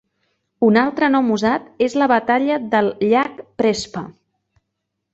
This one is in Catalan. Un altre nom usat és la Batalla del llac Prespa.